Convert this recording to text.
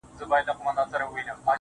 ځه خير دی تر سهاره به ه گوزاره وي